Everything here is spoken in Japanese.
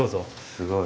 すごい。